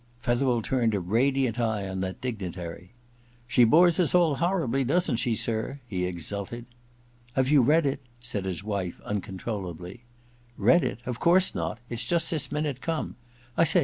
Fetherel turned a radiant eye on that dig nitary. * She bores us all horribly, doesn't she, sir ?' he exulted. * Have you read it ?' ssdd his wife, uncon trollably# ^Read it? Of course not — it's just this minute come. I say.